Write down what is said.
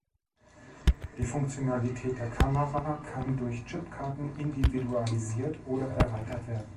Die Funktionalität der Kamera kann durch Chipkarten individualisiert oder erweitert werden.